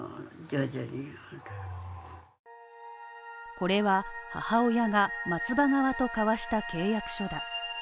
これは母親が松葉側と交わした契約書だ。